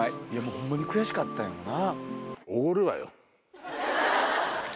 ホンマに悔しかったんやろな。